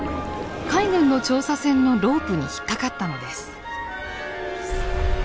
海軍の調査船のロープに引っ掛かったのです。